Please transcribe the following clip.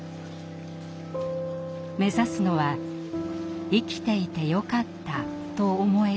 目指すのは「生きていてよかった」と思える暮らしです。